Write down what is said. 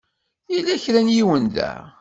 Yella kra n yiwen da.